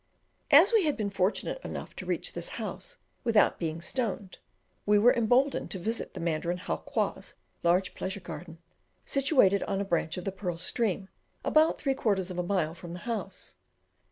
As we had been fortunate enough to reach this house without being stoned, we were emboldened to visit the Mandarin Howqua's large pleasure garden, situated on a branch of the Pearl stream, about three quarters of a mile from the house.